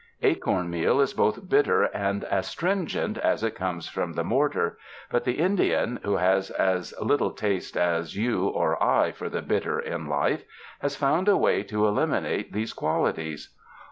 Acorn meal is both bitter and astringent as it comes from the mortar; but the Indian, who has as little taste as you or I for the bitter in life, has found a way to eliminate these qualities.